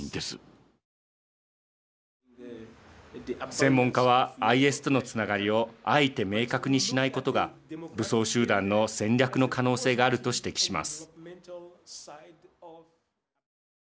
専門家は、ＩＳとのつながりをあえて明確にしないことが武装集団の戦略の可能性があると指摘します。